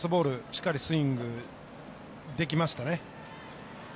しっかりスイングできましたね。